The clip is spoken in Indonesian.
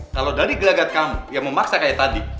kalau dari gelagat kamu yang memaksa kayak tadi